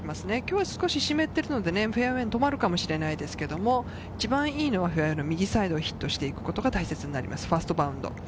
今日は少し湿っているのでフェアウエーに止まるかもしれませんけれど、一番いいのはフェアウエーの右サイドにヒットしていくことが大切だと思います、ファーストバンク。